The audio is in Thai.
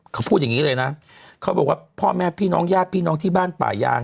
เขาพูดอย่างนี้เลยนะเขาบอกว่าพ่อแม่พี่น้องญาติพี่น้องที่บ้านป่ายาง